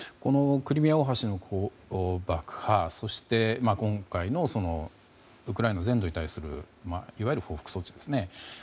クリミア大橋の爆破そして今回のウクライナ全土へのいわゆる報復措置ですね。